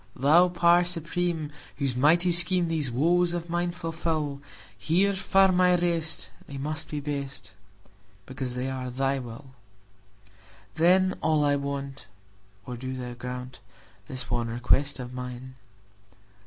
Thou Power Supreme, whose mighty schemeThese woes of mine fulfil, Here firm I rest; they must be best, Because they are Thy will! Then all I want—O do Thou grantThis one request of mine!